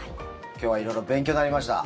今日は色々勉強になりました。